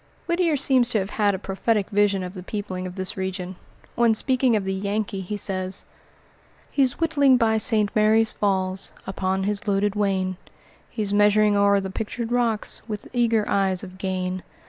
Whittier seems to have had a prophetic vision of the peopling of this region. When speaking of the Yankee, he says: "He's whittling by St. Mary's Falls, Upon his loaded wain; He's measuring o'er the Pictured Rocks, With eager eyes of gain.